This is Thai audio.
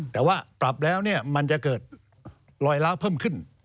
แต่ว่าปรับแล้วมันจะเกิดลอยล้าวเพิ่มขึ้น